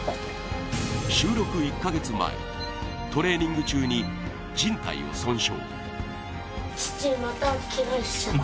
収録１か月前、トレーニング中にじん帯を損傷。